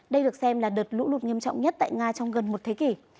đây được xem là đợt lũ lụt nghiêm trọng nhất tại nga trong gần một thế kỷ